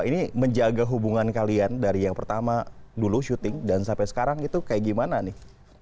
ini menjaga hubungan kalian dari yang pertama dulu syuting dan sampai sekarang itu kayak gimana nih